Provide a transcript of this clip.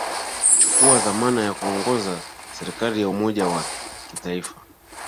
chukua dhamana kuongoza serikali ya umoja wa kitaifa